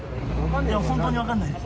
本当に分かんないです。